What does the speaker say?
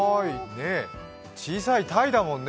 小さい鯛だもんね。